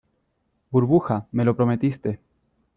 burbuja, me lo prometiste.